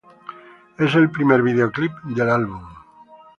Es el primer videoclip del álbum.